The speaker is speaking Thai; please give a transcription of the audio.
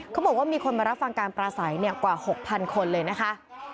เขาบอกว่ามีคนมารับฟังการปราศัยกว่า๖๐๐คนเลยนะคะ